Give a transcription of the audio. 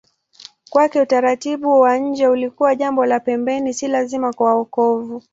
Kwake utaratibu wa nje ulikuwa jambo la pembeni, si lazima kwa wokovu.